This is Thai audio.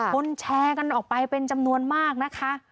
คนแชร์กันออกไปเป็นจำนวนมากนะคะ